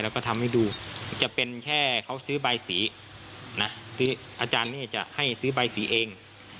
แล้วก็ทำให้ดูจะเป็นแค่เขาซื้อใบสีนะอาจารย์นี่จะให้ซื้อใบสีเอง